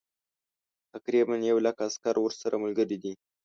تقریبا یو لک عسکر ورسره ملګري دي.